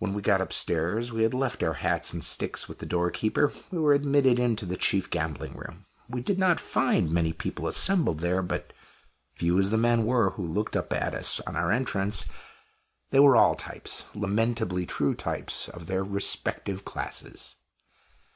When we got upstairs, and had left our hats and sticks with the doorkeeper, we were admitted into the chief gambling room. We did not find many people assembled there. But, few as the men were who looked up at us on our entrance, they were all types lamentably true types of their respective classes.